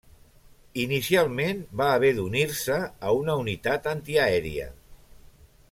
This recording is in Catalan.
Inicialment, va haver d'unir-se a una unitat antiaèria.